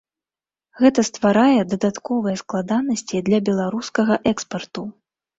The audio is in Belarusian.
Гэта стварае дадатковыя складанасці для беларускага экспарту.